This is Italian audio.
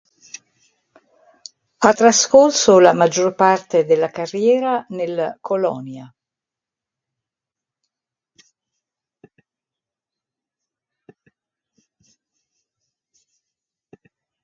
Ha trascorso la maggior parte della carriera nel Colonia.